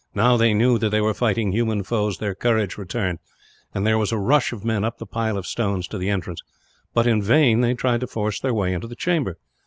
Now they knew that they were fighting human foes, their courage returned, and there was a rush of men up the pile of stones to the entrance; but in vain they tried to force their way into the chamber.